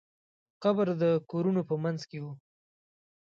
قبر د کورونو په منځ کې و.